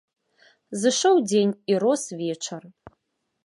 Зышоў дзень, і рос вечар.